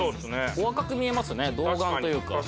お若く見えますね童顔というか。